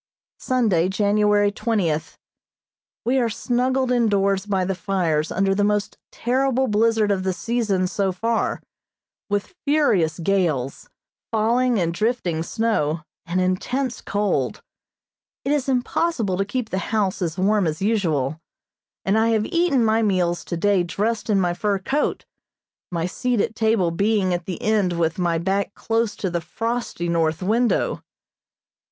Sunday, January twentieth: We are snuggled indoors by the fires under the most terrible blizzard of the season so far, with furious gales, falling and drifting snow, and intense cold. It is impossible to keep the house as warm as usual, and I have eaten my meals today dressed in my fur coat, my seat at table being at the end with my back close to the frosty north window.